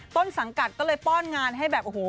ต้นสังกัดก็เลยป้อนงานให้แบบโอ้โห